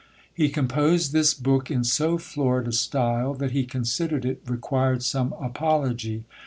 He composed this book in so florid a style, that he considered it required some apology.